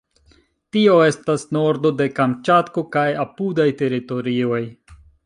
Tio estas nordo de Kamĉatko kaj apudaj teritorioj.